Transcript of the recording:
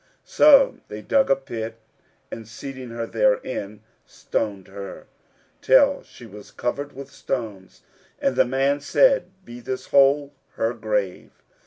So they dug a pit, and seating her therein stoned her, till she was covered with stones, and the man said, "Be this hole her grave!"